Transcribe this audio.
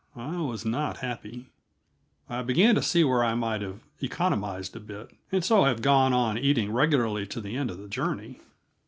I was not happy. I began to see where I might have economized a bit, and so have gone on eating regularly to the end of the journey.